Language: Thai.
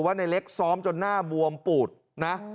ในเล็กซ้อมจนหน้าบวมปูดนะ